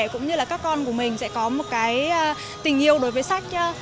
cũng như là các con của mình sẽ có một cái tình yêu đối với sách